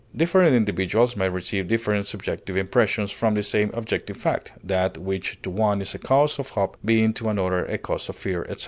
Different individuals may receive different subjective impressions from the same objective fact, that which to one is a cause of hope being to another a cause of fear, etc.